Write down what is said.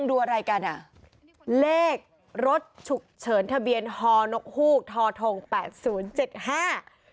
ดูอะไรกันอ่ะเลขรถฉุกเฉินทะเบียนฮอนกฮูกทอทงแปดศูนย์เจ็ดห้า